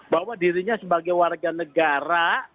bahwa dirinya sebagai warga negara